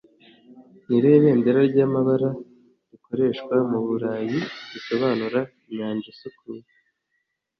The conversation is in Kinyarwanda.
Ni irihe bendera ry'amabara rikoreshwa mu Burayi risobanura inyanja isukuye